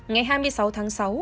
ngày hai mươi sáu tháng sáu